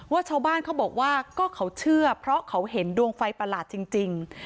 ชาวบ้านเขาบอกว่าก็เขาเชื่อเพราะเขาเห็นดวงไฟประหลาดจริง